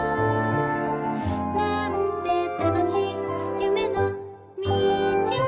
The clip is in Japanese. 「なんてたのしいゆめのみち」